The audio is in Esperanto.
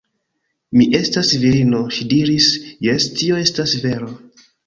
Mi estas virino, ŝi diris, jes, tio estas vero.